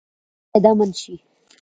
سرحدونه باید امن شي